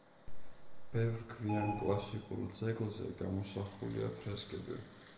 ბევრ გვიან კლასიკურ ძეგლზე გამოსახულია ფრესკები.